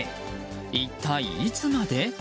一体いつまで？